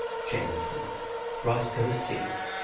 JAMISON, ROSCOE C.